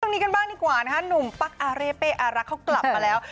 เรื่องนี้กันบ้างดีกว่านะคะหนุ่มปั๊กอาเร่เป้อารักเขากลับมาแล้ว